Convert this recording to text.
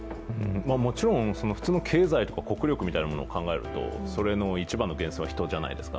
もちろん普通の経済とか国力みたいなものを考えるとその一番の源泉は人じゃないですか、